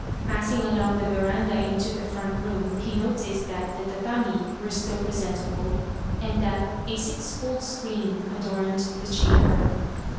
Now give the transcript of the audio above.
Passing along the veranda into the front room, he noticed that the tatami were still presentable, and that a sixfold screen adorned the chamber.